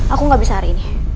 aku gak bisa hari ini